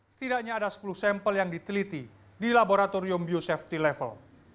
setidaknya ada sepuluh sampel yang diteliti di laboratorium biosafety level